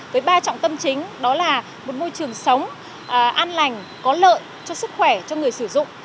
với ba trọng tâm chính đó là một môi trường sống an lành có lợi cho sức khỏe cho người sử dụng